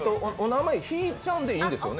お名前、ひぃちゃんでいいんですよね？